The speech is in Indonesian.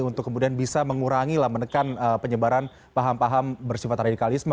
untuk kemudian bisa mengurangi lah menekan penyebaran paham paham bersifat radikalisme